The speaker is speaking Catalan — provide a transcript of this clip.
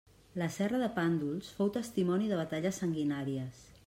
La serra de Pàndols fou testimoni de batalles sanguinàries.